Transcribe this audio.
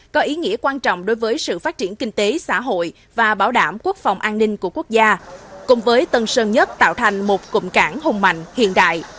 có ý nghĩa quan trọng đối với sự phát triển kinh tế xã hội và bảo đảm quốc phòng an ninh của quốc gia cùng với tân sơn nhất tạo thành một cụm cảng hùng mạnh hiện đại